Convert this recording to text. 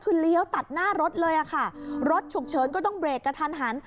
คือเลี้ยวตัดหน้ารถเลยอะค่ะรถฉุกเฉินก็ต้องเบรกกระทันหัน